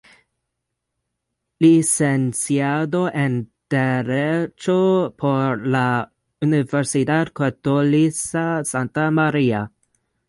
Licenciado en derecho por la Universidad Católica Santa María.